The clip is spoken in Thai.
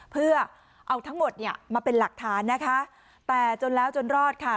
เพื่อเอาทั้งหมดเนี่ยมาเป็นหลักฐานนะคะแต่จนแล้วจนรอดค่ะ